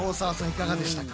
いかがでしたか？